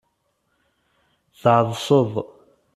Tɛeḍseḍ.